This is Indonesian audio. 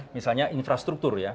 misalnya infrastruktur ya